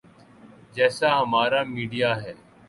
جیسا ہمارا میڈیا ہے۔